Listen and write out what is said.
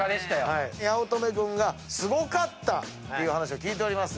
八乙女君がすごかったという話を聞いております。